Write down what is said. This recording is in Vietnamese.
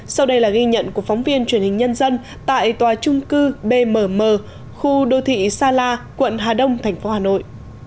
sau đây là ghi nhận của phóng viên truyền hình nhân dân tại tòa trung cư bmm khu đô thị sa la quận hà đông thành phố hà nội